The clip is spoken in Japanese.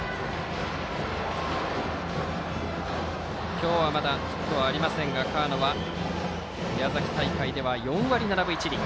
今日はまだヒットはありませんが河野は宮崎大会では４割７分１厘。